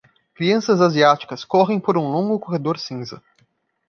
Crianças asiáticas correm por um longo corredor cinza.